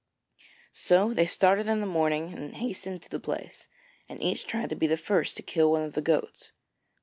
So they started in the morning and hastened to the place, and each tried to be the first to kill one of the goats.